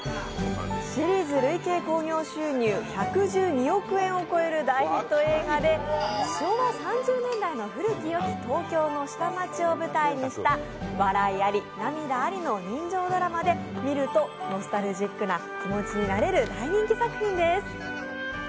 シリーズ累計興行収入１１２億円を超える大ヒット映画で昭和３０年代の古きよき東京の下町を舞台にした笑いあり涙ありの人情ドラマで見るとノスタルジックな気持ちになれる大人気作品です。